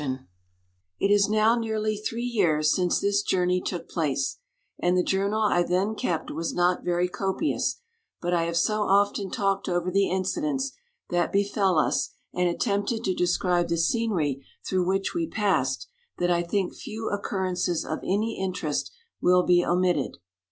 I It is now nearly three years since this Journey took place, $nd the journal I then kept was not very copious ; but I have so often talked over the inci dents that befel us, and attempted to describe the scenery through which we passed, that I think few occurrences of any interest will be omitted.